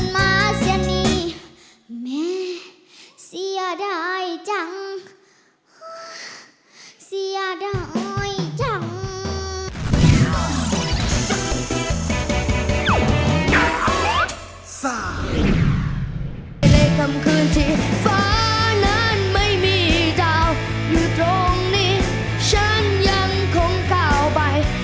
ไม่มีดาวอยู่ตรงนี้ฉันยังคงกล่าวไป